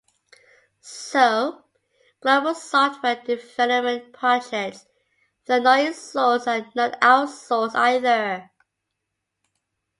So, global software development projects, though not insourced, are not outsourced either.